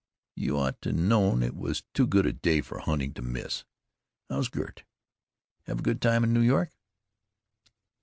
You ought to known it was too good a day for hunting to miss.... How's Gert? Have a good time in New York?"